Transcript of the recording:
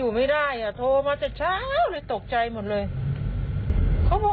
ถูก๖๙เพราะว่าเป็นเลข